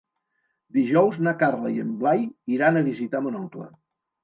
Dijous na Carla i en Blai iran a visitar mon oncle.